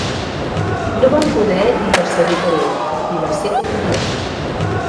No van poder intercedir per ell i va ser condemnat.